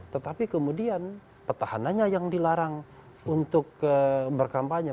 tetapi kemudian petahananya yang dilarang untuk berkampanye